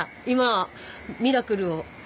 今ミラクルを。